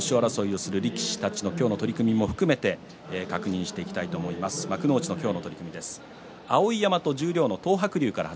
優勝争いをする力士たちの今日の取組も含めて確認していきましょう。